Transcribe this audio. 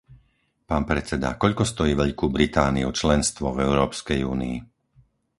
Pán predseda, koľko stojí Veľkú Britániu členstvo v Európskej únii?